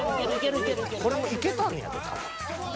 ［これもいけたんやで］